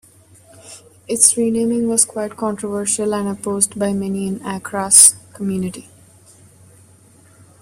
Its renaming was quite controversial and opposed by many in Accra's community.